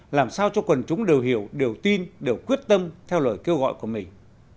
làm sao cho quần chúng đều hiểu đều tin đều quyết tâm theo lời kêu gọi của mình